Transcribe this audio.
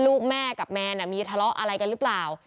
ลูกแม่กับแมนมีทะเลาะอะไรกันหรือเปล่า